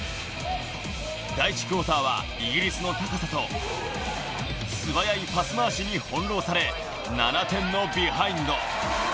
第１クオーターはイギリスの高さと、素早いパスまわしに翻ろうされ、７点のビハインド。